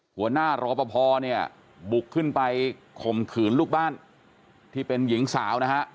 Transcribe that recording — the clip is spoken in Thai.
หัวหน้ารอปภเนี่ยบุกขึ้นไปข่มขืนลูกบ้านที่เป็นหญิงสาวนะฮะ